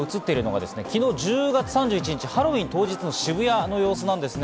こちら、昨日１０月３１日ハロウィーン当日の渋谷の様子なんですね。